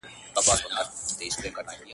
• څه باندي درې میاشتي -